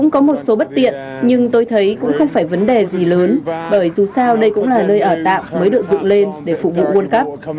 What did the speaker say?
có một số bất tiện nhưng tôi thấy cũng không phải vấn đề gì lớn bởi dù sao đây cũng là nơi ở tạm mới được dựng lên để phục vụ world cup